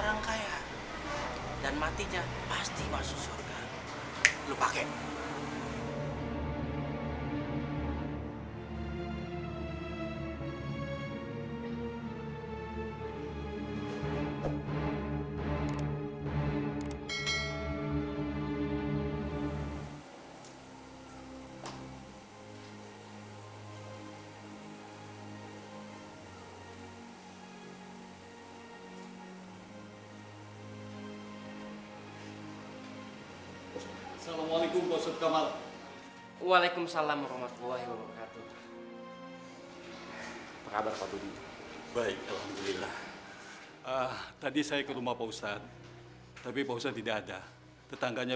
yang memberi rezeki pada saya